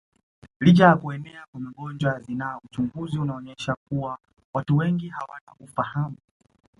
Licha ya kuenea kwa magonjwa ya zinaa uchunguzi unaonyesha kuwa watu wengi hawana ufahamu